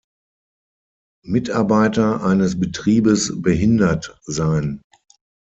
Mitarbeiter eines Betriebes behindert sein.